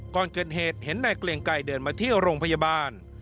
ก่อนเกิดเหตุเห็นนายเกลียงไกรเดินมาที่โรงพยาบาล